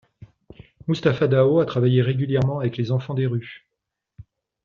Mustapha Dao a travaillé régulièrement avec les enfants des rues.